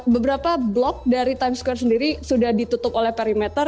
beberapa blok dari times square sendiri sudah ditutup oleh perimeter